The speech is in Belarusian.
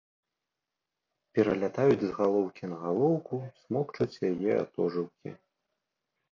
Пералятаюць з галоўкі на галоўку, смокчуць яе атожылкі.